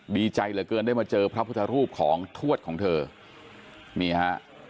ดีใจเหลือเกินได้มาเจอพระพุทธรูปของทวดของเธอนี่ฮะ